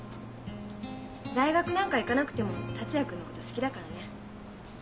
大学なんか行かなくても達也君のこと好きだからね。